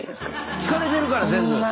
聞かれてるから全部。